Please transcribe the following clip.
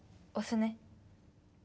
おすね。